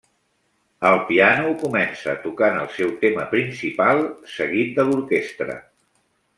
El piano comença tocant el seu tema principal, seguit de l'orquestra.